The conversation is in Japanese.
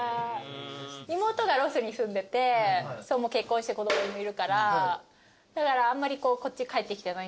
妹がロスに住んでて結婚して子供もいるからだからあんまりこっち帰ってきてないんだけど。